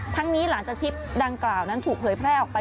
นี้หลังจากคลิปดังกล่าวนั้นถูกเผยแพร่ออกไป